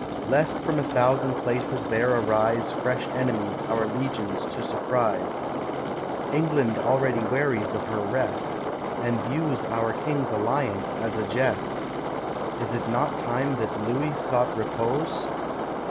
Lest from a thousand places there arise Fresh enemies our legions to surprise. England already wearies of her rest, And views our king's alliance as a jest. Is it not time that Louis sought repose?